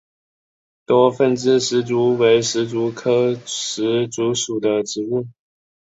多分枝石竹为石竹科石竹属的植物。